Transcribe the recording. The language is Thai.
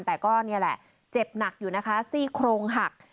แต่ก็นี่แหละเจ็บหนักอยู่นะคะซี่โครงหัก